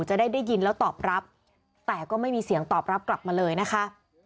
ได้ยินแล้วตอบรับแต่ก็ไม่มีเสียงตอบรับกลับมาเลยนะคะ